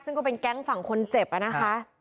ซึ่งก็เป็นแก๊งฝั่งคนเจ็บอะนะคะ